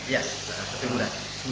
iya tapi murah